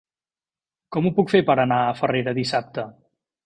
Com ho puc fer per anar a Farrera dissabte?